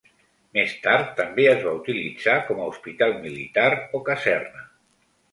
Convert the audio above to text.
Més tard també es va utilitzar com a hospital militar o caserna.